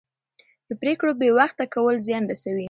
د پرېکړو بې وخته کول زیان رسوي